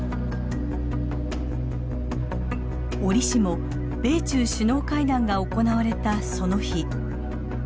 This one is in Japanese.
折しも米中首脳会談が行われたその日。